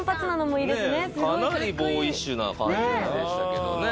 かなりボーイッシュな感じでしたけどね。